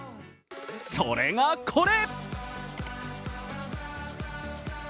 それがこれ！